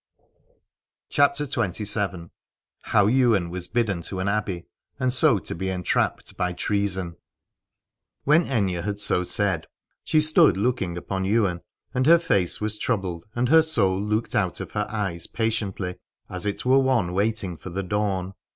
165 CHAPTER XXVII. HOW YWAIN WAS BIDDEN TO AN ABBEY AND SO TO BE ENTRAPPED BY TREASON. When Aithne had so said she stood looking upon Ywain : and her face was troubled, and her soul looked out of her eyes patiently, as it were one waiting for the dawn.